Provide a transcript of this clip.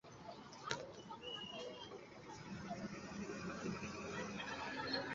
Temas pri fortika birdo, kun helbruna dorso, griza brusto kaj ruĝecbruna al sablokolora ventro.